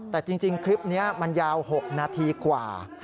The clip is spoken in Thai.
แต่จริงคลิปนี้มันยาว๖นาทีกว่า